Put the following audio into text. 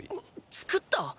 作った⁉